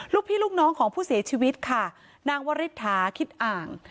ลูกพี่ลูกน้องของผู้เสียชีวิตค่ะนางวริถาคิดอ่าง